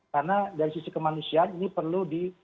karena dari sisi kemanusiaan ini perlu di